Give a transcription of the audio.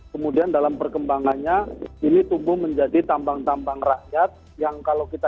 kemudian dalam perkembangannya ini tumbuh menjadi tambang tambang rakyat yang kalau kita